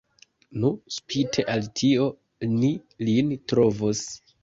Nu, spite al tio, ni lin trovos.